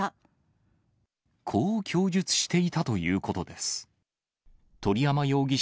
こう供述していたということです。